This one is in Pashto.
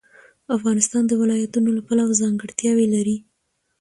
افغانستان د ولایتونو له پلوه ځانګړتیاوې لري.